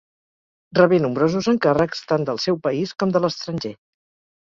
Rebé nombrosos encàrrecs, tant del seu país com de l'estranger.